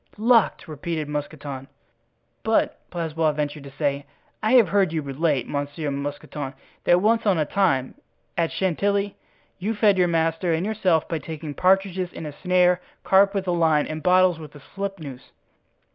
"Locked!" repeated Mousqueton. "But," Blaisois ventured to say, "I have heard you relate, Monsieur Mousqueton, that once on a time, at Chantilly, you fed your master and yourself by taking partridges in a snare, carp with a line, and bottles with a slipnoose."